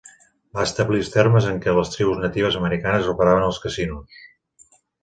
Va establir els termes en què les tribus natives americanes operaven els casinos.